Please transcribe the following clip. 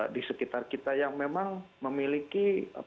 di sekitar kita yang memang memiliki